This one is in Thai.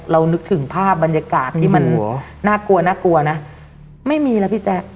เรานึกถึงภาพบรรยากาศที่มันน่ากลัวนะไม่มีแล้วพี่แจ๊ก